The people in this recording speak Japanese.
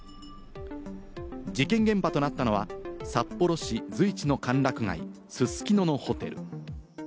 事件現場となったのは札幌市随一の歓楽街・すすきののホテル。